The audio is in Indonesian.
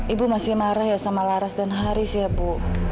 ibu masih marah ya sama laras dan haris ya bu